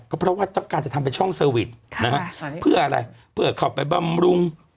ก็เพราะว่าต้องการจะทำเป็นช่องเซอร์วิสนะฮะเพื่ออะไรเพื่อเข้าไปบำรุง